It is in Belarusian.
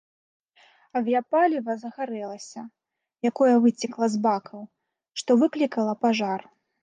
Авіяпаліва загарэлася, якое выцекла з бакаў, што выклікала пажар.